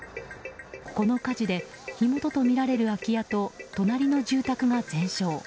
この火事で火元とみられる空き家と隣の住宅が全焼。